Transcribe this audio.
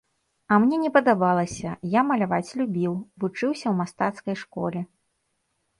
А мне не падабалася, я маляваць любіў, вучыўся ў мастацкай школе.